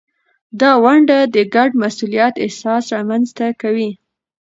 دا ونډه د ګډ مسؤلیت احساس رامینځته کوي.